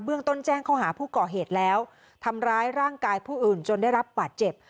ต้นแจ้งข้อหาผู้ก่อเหตุแล้วทำร้ายร่างกายผู้อื่นจนได้รับบาดเจ็บ